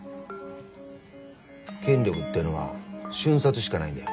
権力っていうのは瞬殺しかないんだよ。